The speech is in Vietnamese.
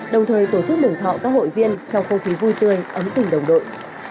đồng thời tổ chức mừng thọ các hội viên trong không khí vui tươi ấm tình đồng đội